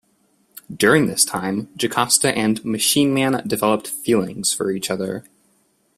During this time, Jocasta and Machine Man developed feelings for each other.